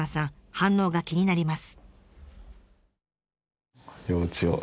反応が気になります。